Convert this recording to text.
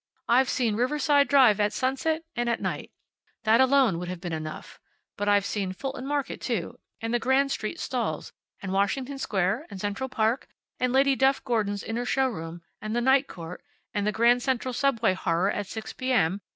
I've seen Riverside Drive at sunset, and at night. That alone would have been enough. But I've seen Fulton market, too, and the Grand street stalls, and Washington Square, and Central Park, and Lady Duff Gordon's inner showroom, and the Night Court, and the Grand Central subway horror at six p. m.